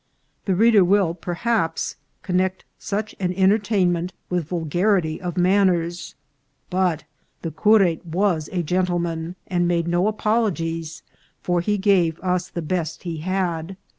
The reader will perhaps connect such an en tertainment with vulgarity of manners ; but the curate was a gentleman, and made no apologies, for he gave us the best he had.